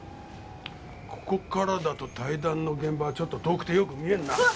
ここからだと対談の現場はちょっと遠くてよく見えんな。